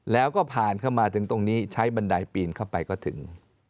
แล้วก็ผ่านเข้ามาถึงตรงนี้ใช้บันไดปีนเข้าไปก็ถึง